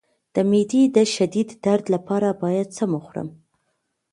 د معدې د شدید درد لپاره باید څه مه خورم؟